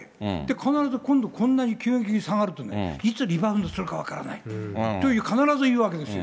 必ず今度、こんなに急激に下がるとね、いつリバウンドするか分からないという、必ず言うわけですよ。